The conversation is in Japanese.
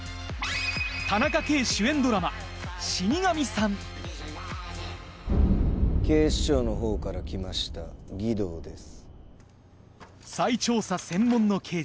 田中圭主演ドラマ『死神さん』警視庁のほうから来ました儀藤です。